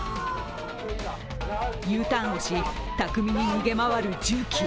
Ｕターンをし、巧みに逃げ回る重機。